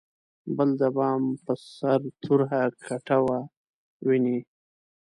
بل د بام په سر توره کټوه ویني.